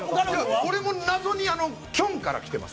俺も謎にきょんから来てます。